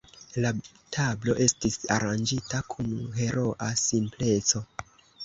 La tablo estis aranĝita kun heroa simpleco.